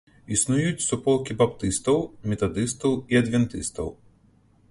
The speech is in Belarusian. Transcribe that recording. Існуюць суполкі баптыстаў, метадыстаў і адвентыстаў.